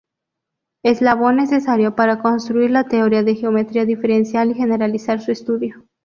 Eslabón necesario para construir la teoría de geometría diferencial y generalizar su estudio.